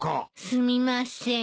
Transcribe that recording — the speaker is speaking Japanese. すみません。